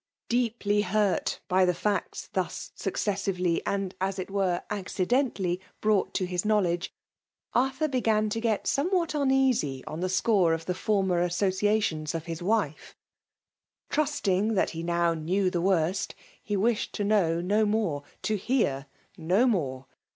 Deeply hurt by the facts thus successively, and as it were, accidentally, brought to his knowledge, Arthur began to get somewhat FEMAl^B X>OMINATI0V* 87 uneasj on the score of tlie former associatiiws of his \nfe. Trusting tliat he now knew the worst, lie wished to know no more — to hear no mote.